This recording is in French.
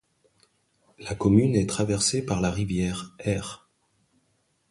La commune est traversée par la rivière Aire.